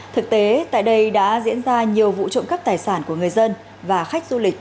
thực tế tại đây đã diễn ra nhiều vụ trộm cắp tài sản của người dân và khách du lịch